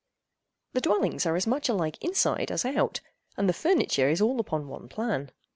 The dwellings are as much alike inside as out, and the furniture is all upon one plan.